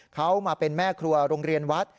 เขามาเป็นแม่ครัวโรงเรียนวัด